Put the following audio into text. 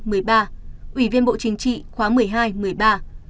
ủy viên bộ chính trị khóa một mươi hai một mươi ba